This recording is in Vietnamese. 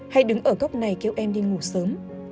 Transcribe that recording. hay đứng ở góc này kéo em đi ngủ sớm